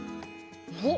おっ。